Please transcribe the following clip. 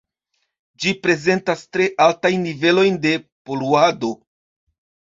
Ĝi prezentas tre altajn nivelojn de poluado.